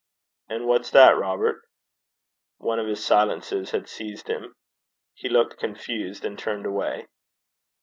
'And what's that, Robert?' One of his silences had seized him. He looked confused, and turned away.